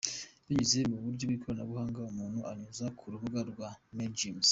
Binyuze mu buryo bw’ikoranabuhanga, umuntu unyuze ku rubuga rwa Mergims.